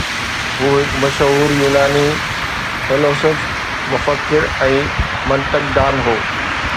هُو هڪ مشهور يوناني فيلسوف، مفڪر ۽ منطق دان هو